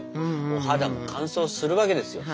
お肌も乾燥するわけですよ。